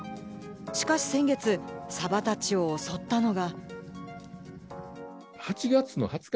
しかし先月、サバたちを襲ったのが。